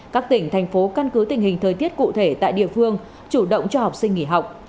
các tỉnh thành phố căn cứ tình hình thời tiết cụ thể tại địa phương chủ động cho học sinh nghỉ học